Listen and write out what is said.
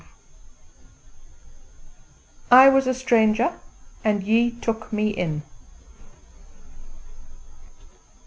I Was A Stranger, and Ye Took Me In.